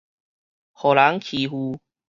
予人欺負